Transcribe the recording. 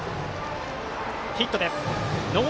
ヒットです。